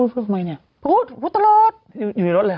เนี่ยพี่แมงก็สเซอร์ไพรส์อะไร